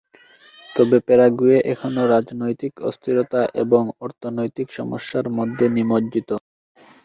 তবে প্যারাগুয়ে এখনও রাজনৈতিক অস্থিরতা এবং অর্থনৈতিক সমস্যার মধ্যে নিমজ্জিত।